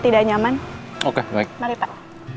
tidak nyaman oke baik mari pak